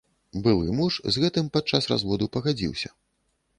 Былы муж з гэтым падчас разводу пагадзіўся.